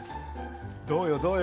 どうよどうよ。